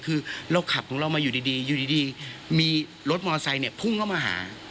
คือเราขับของเรามาอยู่ดีอยู่ดีมีรถมอไซค์เนี่ยพุ่งเข้ามาหา